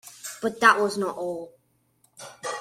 But that was not all.